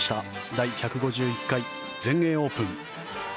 第１５１回全英オープン。